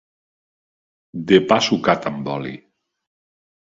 De pa sucat amb oli.